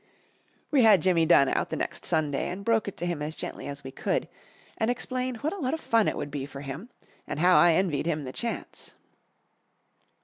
We had Jimmy Dunn out the next Sunday and broke it to him as gently as we could, and explained what a lot of fun it would be for him, and how I envied him the chance.